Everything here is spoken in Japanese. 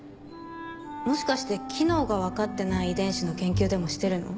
もしかして機能が分かってない遺伝子の研究でもしてるの？